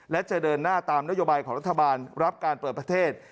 และจะเดินหน้าตามนโยบายของรัฐบาลรับการเปิดประเทศ